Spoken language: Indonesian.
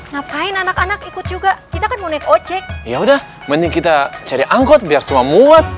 ngapain anak anak ikut juga kita kan mau naik ojek yaudah mending kita cari angkot biar semua muat